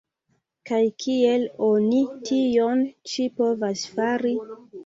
Kaj kiel oni tion ĉi povas fari?